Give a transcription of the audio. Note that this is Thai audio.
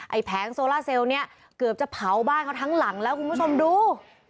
แผงโซล่าเซลล์เนี่ยเกือบจะเผาบ้านเขาทั้งหลังแล้วคุณผู้ชมดู